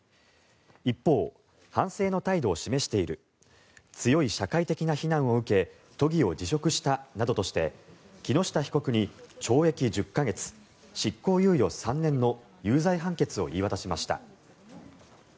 一方、反省の態度を示している強い社会的な非難を受け都議を辞職したなどとして木下被告に懲役１０か月執行猶予３年の有罪判決を言い渡しました。